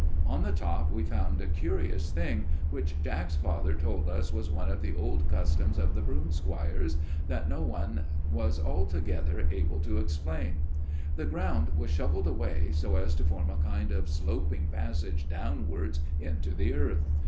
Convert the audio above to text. "On the top we found a curious thing, which Jack's father told us was one of the old customs of the broomsquires, that no one was altogether able to explain. The ground was shovelled away, so as to form a kind of sloping passage downwards into the earth.